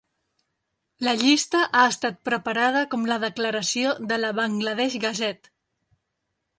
La llista ha esta preparada com la declaració de la "Bangladesh Gazette".